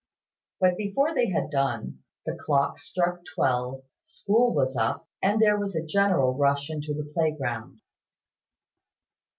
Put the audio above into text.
But before they had done, the clock struck twelve, school was up, and there was a general rush into the playground.